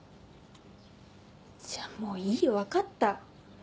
じゃあもういいよ分かった。